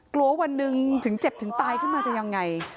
วันหนึ่งถึงเจ็บถึงตายขึ้นมาจะยังไง